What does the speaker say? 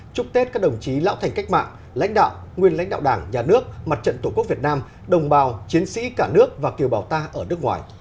chúc tết các đồng chí lão thành cách mạng lãnh đạo nguyên lãnh đạo đảng nhà nước mặt trận tổ quốc việt nam đồng bào chiến sĩ cả nước và kiều bào ta ở nước ngoài